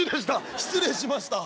失礼しました。